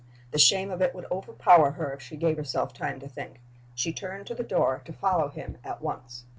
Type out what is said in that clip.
The shame of it would overpower her if she gave herself time to think. She turned to the door to follow him at once.